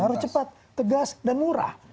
harus cepat tegas dan murah